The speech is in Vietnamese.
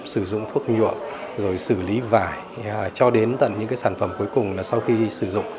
sử dụng thuốc nhuộm rồi xử lý vải cho đến tận những cái sản phẩm cuối cùng là sau khi sử dụng